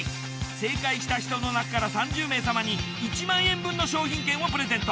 正解した人のなかから３０名様に１万円分の商品券をプレゼント。